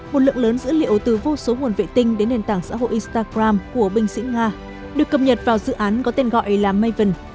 một lượng lớn dữ liệu từ vô số nguồn vệ tinh đến nền tảng xã hội instagram của binh sĩ nga được cập nhật vào dự án có tên gọi là maven